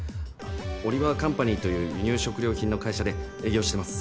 オリバーカンパニーという輸入食料品の会社で営業してます。